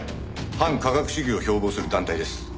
反科学主義を標榜する団体です。